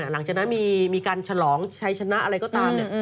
หลังจากนั้นมีการฉลองชัยชนะอะไรก็ตาม